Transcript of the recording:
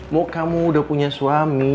mau kamu udah punya suami